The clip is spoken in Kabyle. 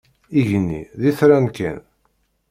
Igenni d itran kan.